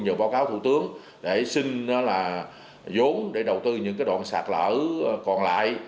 các bộ ngành trung ương nhờ báo cáo thủ tướng để xin giốn để đầu tư những đoạn sạt lở còn lại